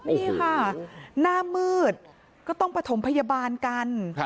นี่ค่ะหน้ามืดก็ต้องประถมพยาบาลกัน